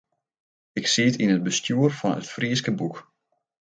Ik siet yn it bestjoer fan It Fryske Boek.